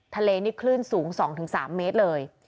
ทะเลนี่คลื่นสูง๒๓เมตรเลย